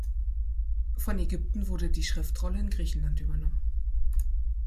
Von Ägypten wurde die Schriftrolle in Griechenland übernommen.